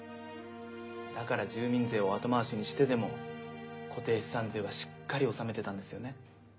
だから住民税を後回しにしてでも固定資産税はしっかり納めてたんですよね？